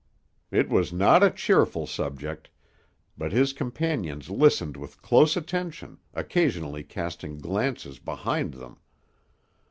It was not a cheerful subject, but his companions listened with close attention, occasionally casting glances behind them.